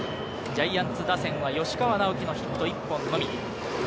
ジャイアンツ打線は吉川尚輝のヒット１本のみ。